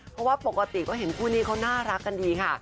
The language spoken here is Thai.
เพราะว่าปกติก็เห็นคู่นี้เขาน่ารักกันดีค่ะ